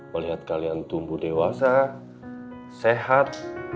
melihat kalian tumbuh dewasa sehat